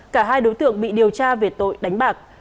cả hai đối tượng bị điều tra về tội đánh bạc